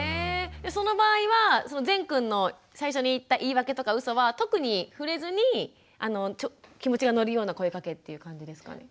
その場合はぜんくんの最初に言った言い訳とかうそは特に触れずに気持ちが乗るような声かけっていう感じですかね？